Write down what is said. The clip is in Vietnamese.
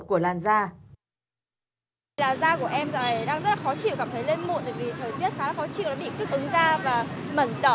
thời tiết khá là khó chịu bị tức ứng da và mẩn đỏ